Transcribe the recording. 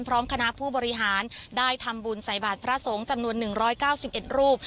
พร้อมคณะผู้บริหารได้ทำบุญใส่บาทพระสงฆ์จำนวน๑๙๑รูป